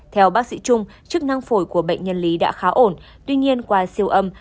theo bác sĩ trung chức năng phổi của bệnh nhân lý đã khá ổn tuy nhiên qua siêu âm